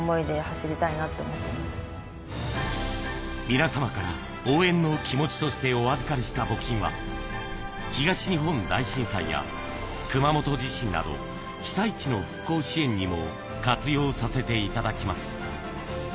皆様から応援の気持ちとしてお預かりした募金は、東日本大震災や熊本地震など、被災地の復興支援にも活用させていただきます。